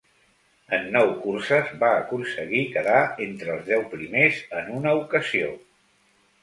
En nou curses, va aconseguir quedar entre els deu primers en una ocasió.